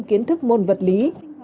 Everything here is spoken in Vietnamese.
kiến thức môn vật lý